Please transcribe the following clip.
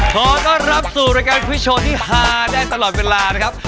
ขอต้อนรับสู่รายการฟิโชว์ที่ฮาได้ตลอดเวลานะครับ